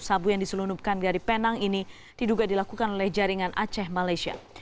sabu yang diselundupkan dari penang ini diduga dilakukan oleh jaringan aceh malaysia